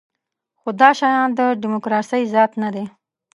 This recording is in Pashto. خو دا شیان د دیموکراسۍ ذات نه دی.